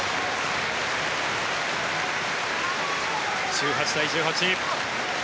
１８対１８。